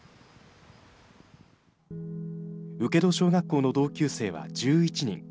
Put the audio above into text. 請戸小学校の同級生は１１人。